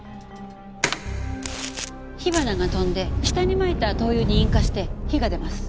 火花が飛んで下にまいた灯油に引火して火が出ます。